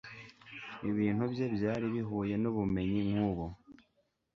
ibintu bye byari bihuye nubumenyi nkubu